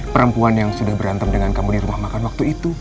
perempuan yang sudah berantem dengan kamu di rumah makan waktu itu